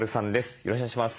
よろしくお願いします。